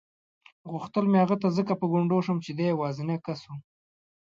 غوښتل مې هغه ته ځکه په ګونډو شم چې دی یوازینی کس و.